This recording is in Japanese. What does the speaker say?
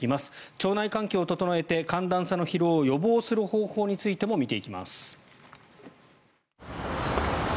腸内環境を整えて寒暖差の疲労を予防する方法も見ていきます。